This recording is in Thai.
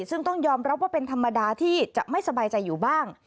ซึ่งต้องยอมรับว่าเป็นธรรมดาที่จะไม่สบายใจอยู่บ้าง